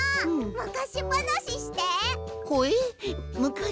むかしばなしとな？